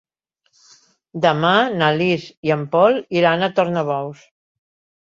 Demà na Lis i en Pol iran a Tornabous.